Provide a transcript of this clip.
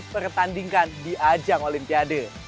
pertandingkan di ajang olimpiade